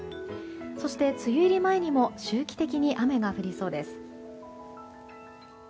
そして梅雨入り前にも周期的に雨が降りそうです。